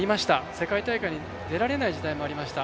世界大会に出られない時代もありました。